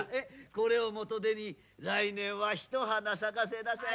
これをもとでに来年はひと花咲かせなさい。